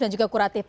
dan juga kuratif